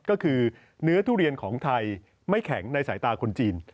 ก็คือเนื้อทุเรียนของไทยไม่แข็งในสายตาคนจีน